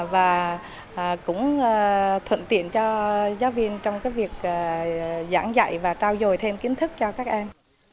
và cũng thuận tiện cho giáo viên trong việc giảng dạy và trao dồi thêm kiến thức cho các em